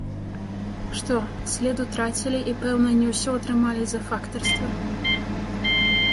Што, след утрацілі і пэўна не ўсё атрымалі за фактарства?